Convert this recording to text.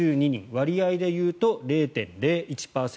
割合でいうと０．０１％。